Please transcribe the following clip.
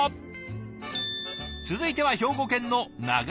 続いては兵庫県のなが